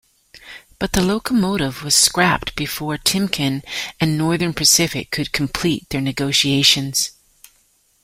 But the locomotive was scrapped before Timken and Northern Pacific could complete their negotiations.